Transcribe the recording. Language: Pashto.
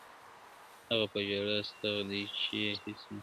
هغه په ژړا ستغ دی چي يې هيڅ نه ژړل~